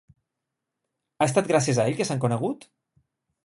Ha estat gràcies a ell que s'han conegut?